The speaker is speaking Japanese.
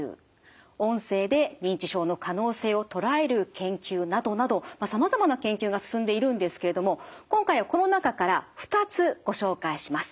音声で認知症の可能性を捉える研究などなどさまざまな研究が進んでいるんですけれども今回はこの中から２つご紹介します。